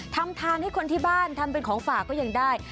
ทำทานให้คนที่บ้านทำเป็นของฝากก็ยังได้